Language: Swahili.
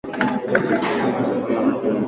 aliachishwa kazi serikalini mwaka elfu mbili na tano